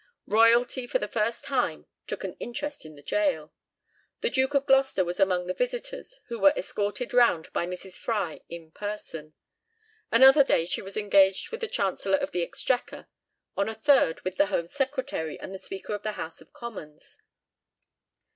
Royalty for the first time took an interest in the gaol. The Duke of Gloucester was among the visitors, and was escorted round by Mrs. Fry in person. Another day she was engaged with the Chancellor of the Exchequer; on a third with the Home Secretary and the Speaker of the House of Commons.